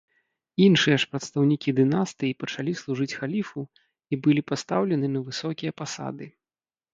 Іншыя ж прадстаўнікі дынастыі пачалі служыць халіфу і былі пастаўлены на высокія пасады.